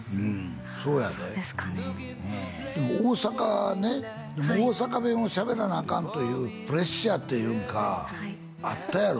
そうやででも大阪ね大阪弁を喋らなあかんというプレッシャーっていうんかあったやろ？